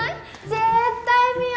絶対見よ！